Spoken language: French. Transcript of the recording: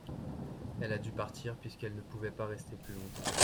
elle a du partir puisqu'elle ne pouvait pas rester plus longtemps.